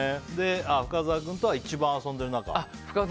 深澤君とは一番遊んでいる仲？